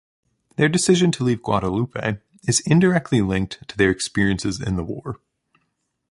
Their decision to leave Guadalupe is indirectly linked to their experiences in the war.